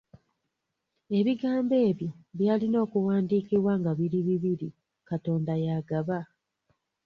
Ebigambo ebyo byalina okuwandiikibwa nga biri bibiri “Katonda y’agaba”.